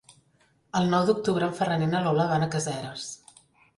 El nou d'octubre en Ferran i na Lola van a Caseres.